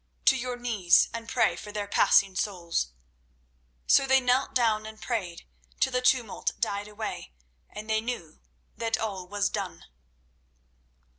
To your knees and pray for their passing souls." So they knelt down and prayed till the tumult died away, and they knew that all was done.